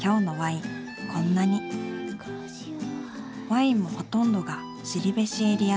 ワインもほとんどが後志エリア産。